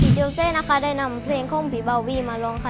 โยเซนะคะได้นำเพลงของผีบาวีมาร้องค่ะ